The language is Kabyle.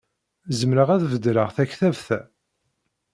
Zemreɣ ad beddleɣ takbabt-a?